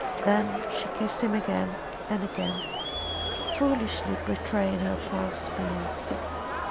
Then she kissed him again and again, foolishly betraying her past fears.